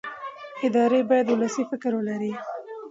ادارې باید ولسي فکر ولري